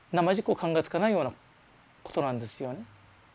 こう考えつかないようなことなんですよね。